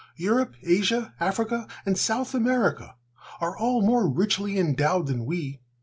"Europe, Asia, Africa and South America are all more richly endowed than we.